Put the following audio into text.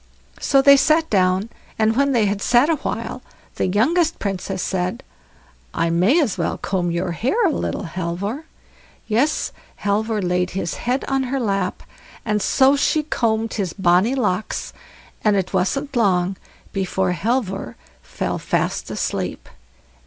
So they sat down there, and when they had sat a while, the youngest Princess said: "I may as well comb your hair a little, Halvor." Yes, Halvor laid his head on her lap, and so she combed his bonny locks, and it wasn't long before Halvor fell fast asleep.